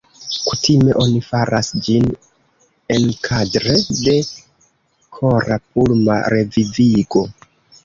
Kutime oni faras ĝin enkadre de kora-pulma revivigo.